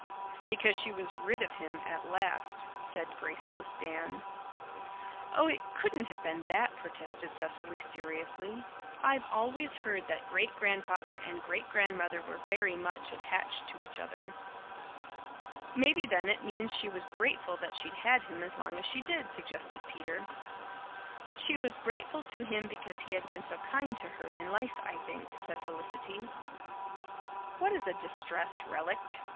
"Because she was rid of him at last," said graceless Dan. "Oh, it couldn't have been that," protested Cecily seriously. "I've always heard that Great Grandfather and Great Grandmother were very much attached to each other." "Maybe, then, it means she was grateful that she'd had him as long as she did," suggested Peter. "She was grateful to him because he had been so kind to her in life, I think," said Felicity. "What is a 'distressed relict'?"